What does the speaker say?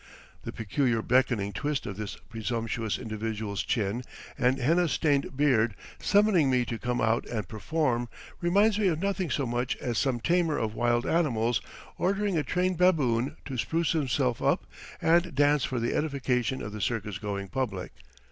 The peculiar beckoning twist of this presumptuous individual's chin and henna stained beard summoning me to come out and "perform" reminds me of nothing so much as some tamer of wild animals ordering a trained baboon to spruce himself up and dance for the edification of the circus going public.